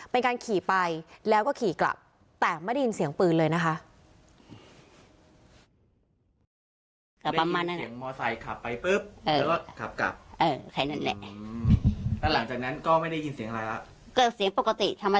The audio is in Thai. เป็นการขี่ไปแล้วก็ขี่กลับแต่ไม่ได้ยินเสียงปืนเลยนะคะ